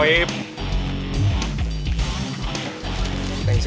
gak bisa berat beratnya